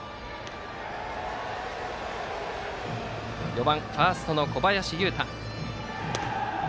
４番ファーストの小林優太。